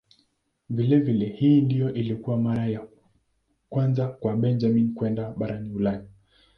Vilevile hii ndiyo ilikuwa mara ya kwanza kwa Benjamin kwenda barani Ulaya.